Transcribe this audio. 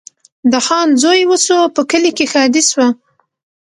د خان زوی وسو په کلي کي ښادي سوه